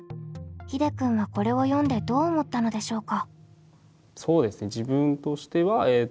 ひでくんはこれを読んでどう思ったのでしょうか。